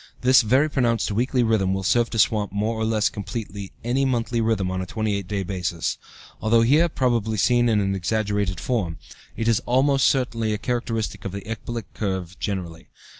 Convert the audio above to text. This very pronounced weekly rhythm will serve to swamp more or less completely any monthly rhythm on a 28 day basis. Although here probably seen in an exaggerated form, it is almost certainly a characteristic of the ecbolic curve generally.